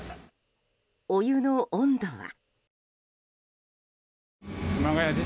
お湯の温度は。